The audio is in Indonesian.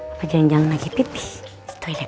apa jang jang lagi pipih di toilet